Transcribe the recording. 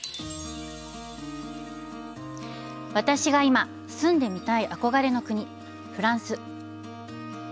私が今、住んでみたい憧れの国、フランス。